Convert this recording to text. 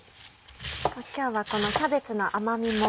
今日はこのキャベツの甘みも。